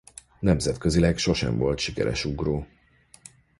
Nemzetközileg sosem volt sikeres ugró.